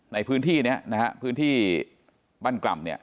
ในพื้นที่นี้นะฮะพื้นที่บ้านกล่ำเนี่ย